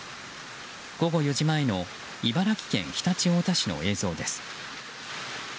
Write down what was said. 午後４時前の茨城県常陸太田市の映像です。